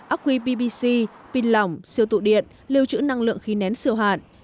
aqui ppc pin lỏng siêu tụ điện lưu trữ năng lượng khi nén siêu hạn